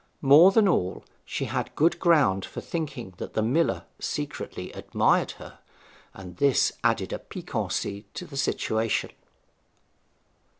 More than all, she had good ground for thinking that the miller secretly admired her, and this added a piquancy to the situation.